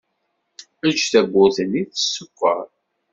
Eǧǧ tawwurt-nni tsekkeṛ.